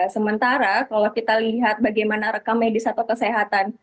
sementara kalau kita lihat bagaimana rekam medis atau kesehatan